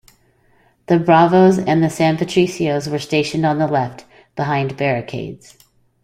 The "Bravos" and the "San Patricios" were stationed on the left, behind barricades.